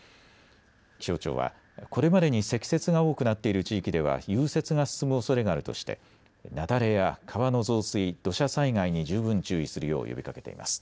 気象庁はこれまでに積雪が多くなっている地域では融雪が進むおそれがあるとして雪崩や川の増水、土砂災害に十分注意するよう呼びかけています。